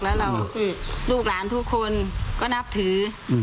แล้วลูกหลานทุกคนก็นับถือ